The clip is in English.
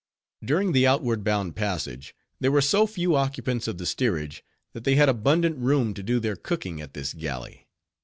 During the outward bound passage, there were so few occupants of the steerage, that they had abundant room to do their cooking at this galley.